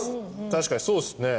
確かにそうですね。